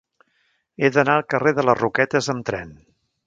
He d'anar al carrer de les Roquetes amb tren.